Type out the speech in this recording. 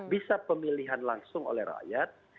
bisa pemilihan langsung oleh rakyat